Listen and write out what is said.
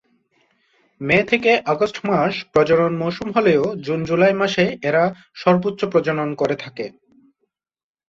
মে থেকে আগষ্ট মাস প্রজনন মৌসুম হলেও জুন-জুলাই মাসে এরা সর্বোচ্চ প্রজনন করে থাকে।